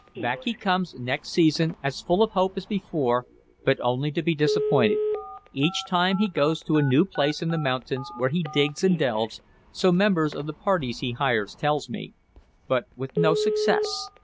"Back he comes next season, as full of hope as before, but only to be disappointed. Each time he goes to a new place in the mountains where he digs and delves, so members of the parties he hires tell me, but with no success.